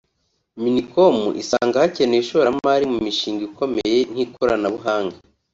Minicom isanga hakenewe ishoramari mu mishinga ikomeye nk’ikoranabuhanga